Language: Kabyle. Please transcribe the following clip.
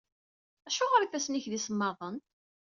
Acuɣer ifassen-ik d isemmaḍen?